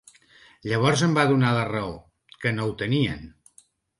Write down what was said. Llavors em va donar la raó, que no ho tenien.